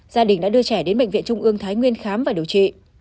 gia đình đã đưa trẻ đến bệnh viện trung ương thái nguyên khám và điều trị